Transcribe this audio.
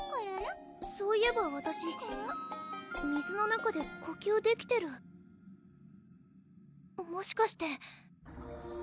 そういえばわたし水の中で呼吸できてるもしかして！